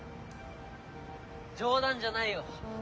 冗談じゃないよ。